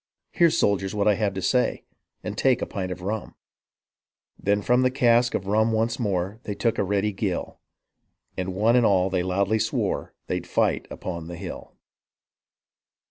Hear, soldiers, what I have to say And take a pint of nmi.' '* Then from the cask of rum once more They took a ready gill When one and all they loudly swore They'd fight upon the hill."